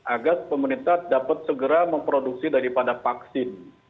agar pemerintah dapat segera memproduksi daripada vaksin